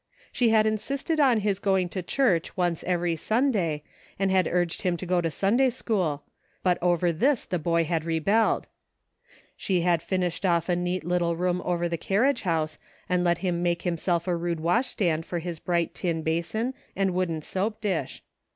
She had insisted on his going to church once every Sunday, and had urged him to go to Sunday school ; but over this the boy had rebelled. She had finished off a neat little room over the car riage house and let him make himself a rude wash stand for his bright tin basin and wooden soap dish.